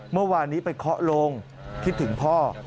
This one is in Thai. เมื่อวานนี้ไปเคาะลงคิดถึงพ่อ